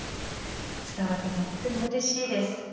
伝わってとってもうれしいです。